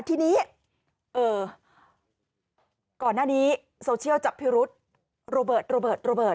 ทีนี้ก่อนหน้านี้โซเชียลจับพิรุษโรเบิร์ตโรเบิร์ตโรเบิร์